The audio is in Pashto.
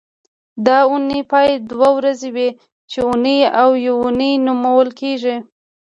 د اونۍ پای دوه ورځې وي چې اونۍ او یونۍ نومول کېږي